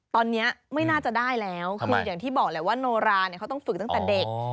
ตอนนี้ไม่น่าจะได้แล้วคืออย่างที่บอกแหละว่าโนราเนี่ยเขาต้องฝึกตั้งแต่เด็ก